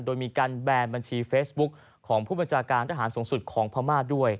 โดยมีการแบนบัญชีเฟซบุ๊คของผู้บัญชาการทหารสูงสุดของพม่าด้วย